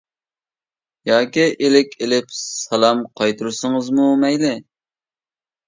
ياكى ئىلىك ئېلىپ سالام قايتۇرسىڭىزمۇ مەيلى.